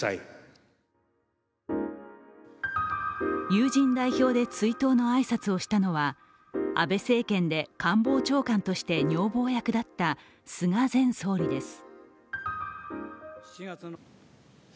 友人代表で追悼の挨拶をしたのは安倍政権で官房長官として女房役だった菅前総理です。